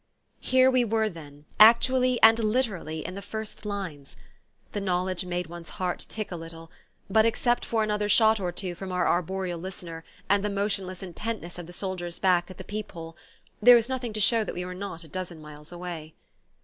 Here we were, then, actually and literally in the first lines! The knowledge made one's heart tick a little; but, except for another shot or two from our arboreal listener, and the motionless intentness of the soldier's back at the peep hole, there was nothing to show that we were not a dozen miles away.